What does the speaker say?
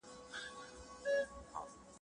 په ورېښم کې ستا اواز دی او حیران یم